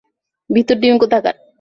ভীতুর ডিম কোথাকার।